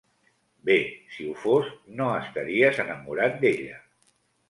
Bé, si ho fos, no estaries enamorat d'ella.